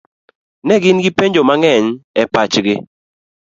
Ne gin gi penjo mang'eny e pachgi.